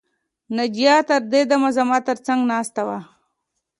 ناجیه تر دې دمه زما تر څنګ ناسته ده